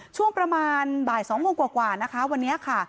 ช่วงประมาณบ่าย๒โมงกว่านะคะวันนี้ค่ะ